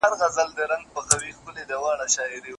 پُل جوړوونکی